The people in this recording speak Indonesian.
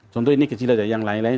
contoh ini kecil aja yang lain lain